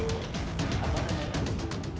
kita juga punya namanya pinjaman non gadai